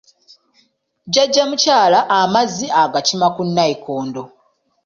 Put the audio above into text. Jjajja mukyala amazzi agakima ku nnayikondo.